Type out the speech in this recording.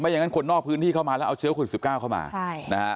อย่างนั้นคนนอกพื้นที่เข้ามาแล้วเอาเชื้อโควิด๑๙เข้ามาใช่นะฮะ